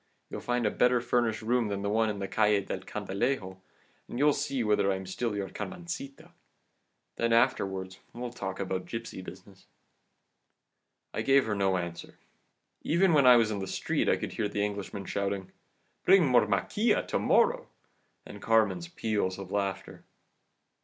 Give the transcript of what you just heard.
You'll find a better furnished room than the one in the Calle del Candilejo, and you'll see whether I am still your Carmencita. Then afterwards we'll talk about gipsy business.' "I gave her no answer even when I was in the street I could hear the Englishman shouting, 'Bring more maquila to morrow,' and Carmen's peals of laughter.